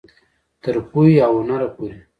تر پوهې او هنره پورې.